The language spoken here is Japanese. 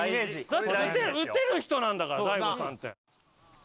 だって打てる人なんだから大悟さんって。